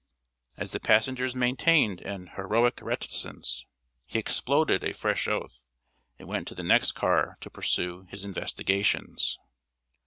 As the passengers maintained an "heroic reticence," he exploded a fresh oath, and went to the next car to pursue his investigations.